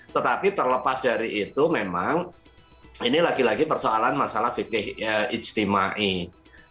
tetapi terlepas dari itu memang ini lagi lagi persoalan masalah fitih ijtimai ⁇